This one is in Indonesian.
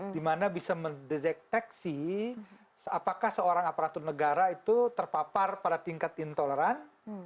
dimana bisa mendeteksi apakah seorang aparatur negara itu terpapar pada tingkat intoleran